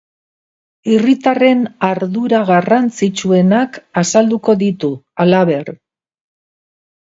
Hiritarren ardura garrantzitsuenak azalduko ditu, halaber.